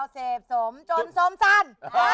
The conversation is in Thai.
เซฟสมจนสมสั่น